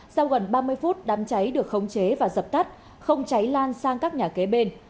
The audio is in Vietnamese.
sau gần ba mươi phút đám cháy được khống chế và dập tắt không cháy lan sang các nhà kế bên